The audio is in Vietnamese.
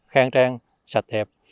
khang trang sạch đẹp